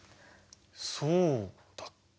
そうだっけ？